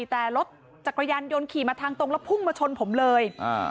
แต่รถจักรยานยนต์ขี่มาทางตรงแล้วพุ่งมาชนผมเลย